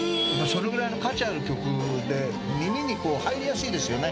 そのぐらいの価値ある曲で耳に入りやすいですよね。